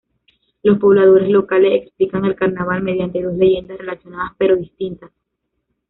Los pobladores locales explican el carnaval mediante dos leyendas relacionadas pero distintas.